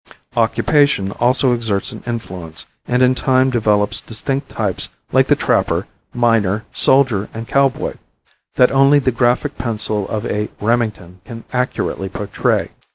Occupation also exerts an influence and in time develops distinct types like the trapper, miner, soldier and cowboy, that only the graphic pencil of a Remington can accurately portray.